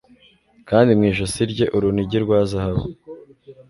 Kandi mu ijosi rye urunigi rwa zahabu